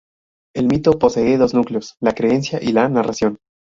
El mito posee dos núcleos: la "creencia" y la "narración".